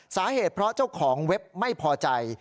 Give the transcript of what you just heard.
สาเหตุเพราะเจ้าของเว็บไม่พอใจ